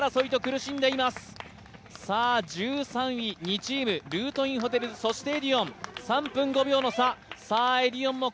１３位、２チーム、ルートインホテルズそしてエディオン３分５秒の差。